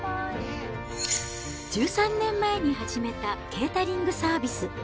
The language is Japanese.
１３年前に始めたケータリングサービス。